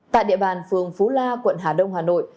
tại địa bàn phường phú la quận hà đông hà nội